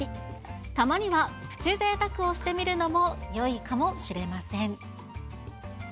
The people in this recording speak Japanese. たまにはプチぜいたくをしてみるのもよいかもしれません。